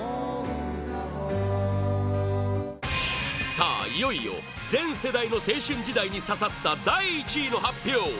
さあ、いよいよ全世代の青春時代に刺さった第１位の発表